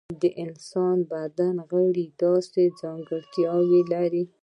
د انسان د بدن غړي داسې ځانګړتیا لري.